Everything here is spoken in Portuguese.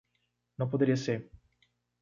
Não poderia ser